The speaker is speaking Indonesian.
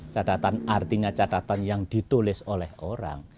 catatan artinya catatan yang ditulis oleh orang